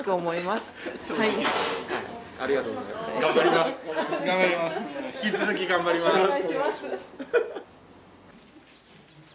引き続き頑張ります。